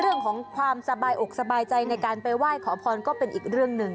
เรื่องของความสบายอกสบายใจในการไปไหว้ขอพรก็เป็นอีกเรื่องหนึ่ง